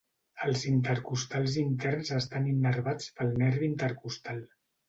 Els intercostals interns estan innervats pel nervi intercostal.